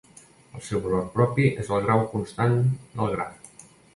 El seu valor propi és el grau constant del graf.